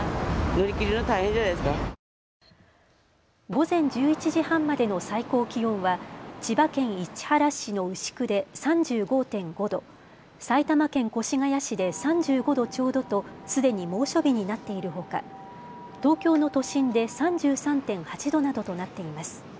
午前１１時半までの最高気温は千葉県市原市の牛久で３５．５度、埼玉県越谷市で３５度ちょうどとすでに猛暑日になっているほか東京の都心で３３．８度などとなっています。